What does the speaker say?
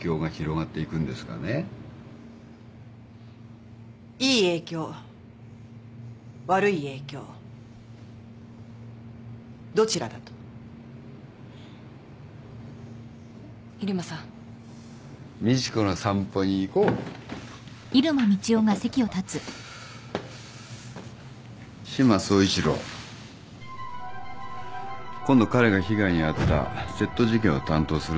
今度彼が被害に遭った窃盗事件を担当するんです。